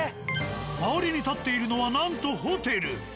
周りに建っているのはなんとホテル。